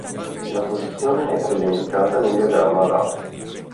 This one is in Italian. La posizione è quella indicata nel diagramma a lato.